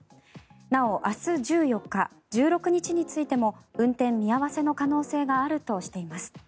なお明日１４日、１６日についても運転見合わせの可能性があるとしています。